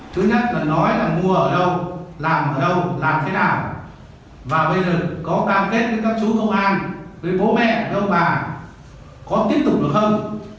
chứ nhất là nói là mua ở đâu làm ở đâu làm thế nào và bây giờ có đa kết với các chú công an với bố mẹ với ông bà có tiếp tục được không